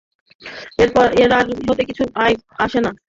এখন আর এতে কিছু যায় আসে না।